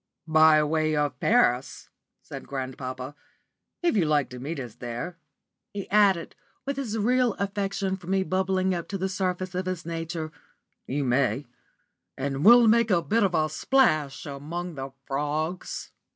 "By way of Paris," said grandpapa. "If you like to meet us there," he added, with his real affection for me bubbling up to the surface of his nature, "you may; and we'll make a bit of a splash among the frogs."